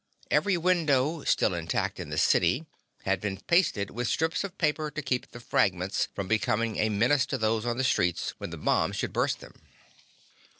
Every window still intact in the city had been pasted with strips of paper to keep the fragments from becoming a menace to those on the streets when the bomb should burst them.